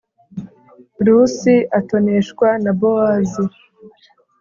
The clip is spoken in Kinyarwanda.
Rusi atoneshwa na Bowazi